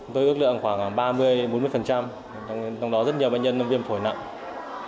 tôi ước lượng khoảng ba mươi bốn mươi trong đó rất nhiều bệnh nhân viêm phổi nặng